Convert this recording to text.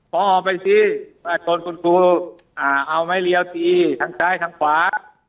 พอออกไปสิชนคุณครูเอาไม้เรียวตีทั้งซ้ายทั้งขวา